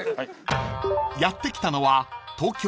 ［やって来たのは］